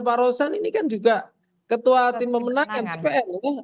pak rosan ini kan juga ketua tim pemenangan dpr